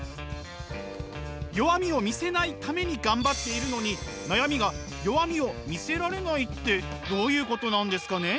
弱みを見せないために頑張っているのに悩みが「弱みを見せられない」ってどういうことなんですかねえ？